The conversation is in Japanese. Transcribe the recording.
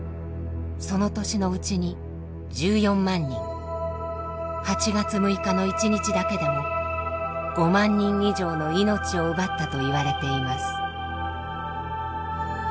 その年のうちに１４万人８月６日の一日だけでも５万人以上の命を奪ったといわれています。